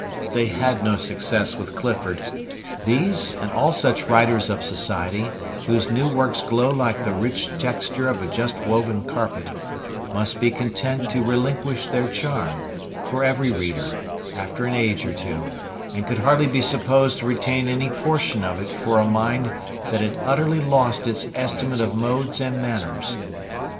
They had no success with Clifford. These, and all such writers of society, whose new works glow like the rich texture of a just woven carpet, must be content to relinquish their charm, for every reader, after an age or two, and could hardly be supposed to retain any portion of it for a mind that had utterly lost its estimate of modes and manners.